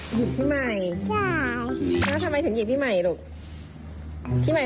หยิกพี่ใหม่ทำไมคะพี่ใหม่ถาม